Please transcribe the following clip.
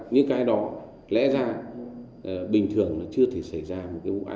như cái đó lẽ ra bình thường chưa thể xảy ra một vụ án mạng như thế được